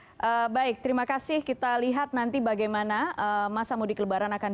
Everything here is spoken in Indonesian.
oke baik terima kasih kita lihat nanti bagaimana masa muda kelebaran akan berlalu